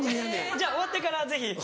じゃあ終わってからぜひ。